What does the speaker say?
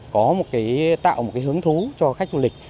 có một cái tạo một cái hứng thú cho khách du lịch